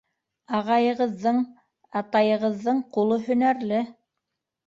Ағайығыҙҙың... атайығыҙҙың ҡулы һөнәрле.